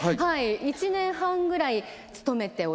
１年半ぐらい勤めておりました。